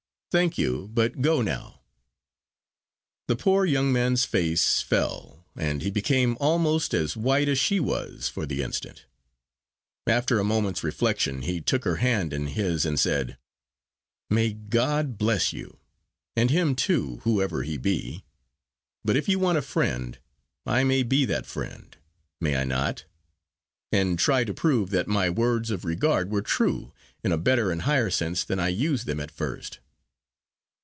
Thank you. But go now." The poor young man's face fell, and he became almost as white as she was for the instant. After a moment's reflection, he took her hand in his, and said: "May God bless you, and him too, whoever he be! But if you want a friend, I may be that friend, may I not? and try to prove that my words of regard were true, in a better and higher sense than I used them at first."